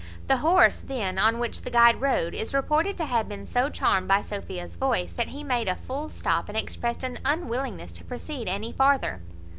The horse, then, on which the guide rode, is reported to have been so charmed by Sophia's voice, that he made a full stop, and expressed an unwillingness to proceed any farther.